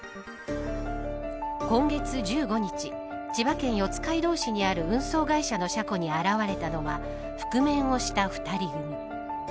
今月１５日千葉県四街道市にある運送会社の車庫に現れたのは、覆面をした２人組。